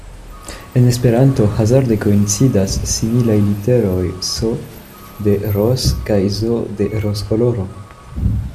En Esperanto hazarde koincidas similaj literoj “s” de Ross kaj “z” de roz-koloro.